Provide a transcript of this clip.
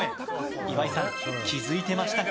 岩井さん、気づいてましたか？